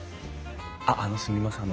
あっあのすみません。